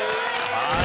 はい。